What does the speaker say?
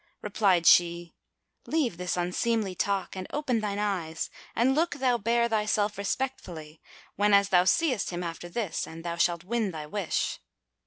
Replied she, "Leave this unseemly talk, and open thine eyes and look thou bear thyself respectfully, whenas thou seest him after this, and thou shalt win thy wish."